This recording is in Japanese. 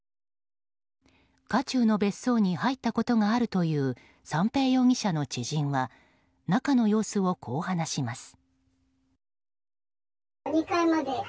渦中の別荘に入ったことがあるという三瓶容疑者の知人は中の様子をこう話します。